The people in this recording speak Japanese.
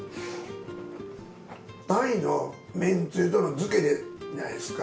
鯛のめんつゆとの漬けじゃないですか。